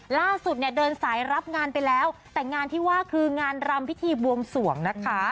ล่าสุดเนี่ยเดินสายรับงานไปแล้วแต่งานที่ว่าคืองานรำพิธีบวงสวงนะคะ